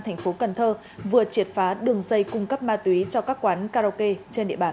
thành phố cần thơ vừa triệt phá đường dây cung cấp ma túy cho các quán karaoke trên địa bàn